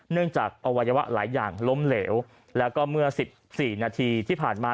จากอวัยวะหลายอย่างล้มเหลวแล้วก็เมื่อ๑๔นาทีที่ผ่านมา